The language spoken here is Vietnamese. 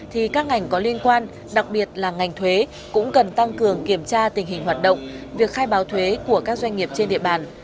thì các ngành có liên quan đặc biệt là ngành thuế cũng cần tăng cường kiểm tra tình hình hoạt động việc khai báo thuế của các doanh nghiệp trên địa bàn